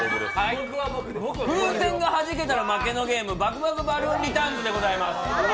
風船がはじけたら負けのゲーム、「爆爆バルーンリターンズ」です。